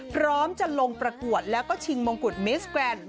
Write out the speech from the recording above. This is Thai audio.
พร้อมจะลงประกวดแล้วก็ชิงมงกุฎมิสแกรนด์